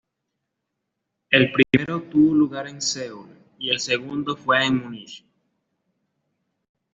El primero tuvo lugar en Seúl, y el segundo fue en Múnich.